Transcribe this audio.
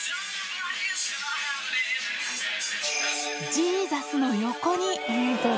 ジーザスの横に。